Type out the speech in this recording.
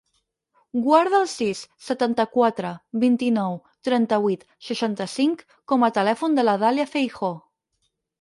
Guarda el sis, setanta-quatre, vint-i-nou, trenta-vuit, seixanta-cinc com a telèfon de la Dàlia Feijoo.